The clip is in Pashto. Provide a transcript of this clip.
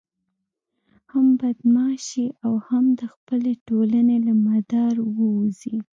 هم بدماش شي او هم د خپلې ټولنې له مدار ووزي.